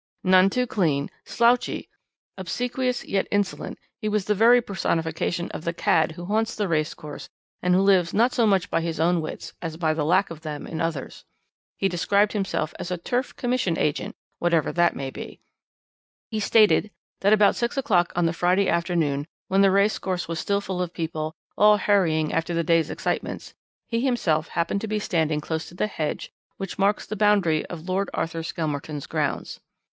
"None too clean, slouchy, obsequious yet insolent, he was the very personification of the cad who haunts the racecourse and who lives not so much by his own wits as by the lack of them in others. He described himself as a turf commission agent, whatever that may be. "He stated that at about six o'clock on the Friday afternoon, when the racecourse was still full of people, all hurrying after the day's excitements, he himself happened to be standing close to the hedge which marks the boundary of Lord Arthur Skelmerton's grounds.